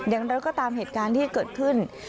ยังแล้วก็ตามเหตุการณ์ที่เกิดขึ้น